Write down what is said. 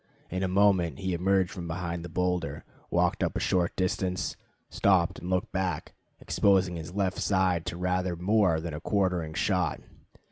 In a moment he emerged from behind the boulder, walked up a short distance, stopped and looked back, exposing his left side to rather more than a quartering shot.